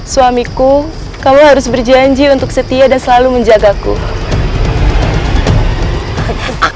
suamiku kamu harus berjanji untuk setia dan selalu menjagaku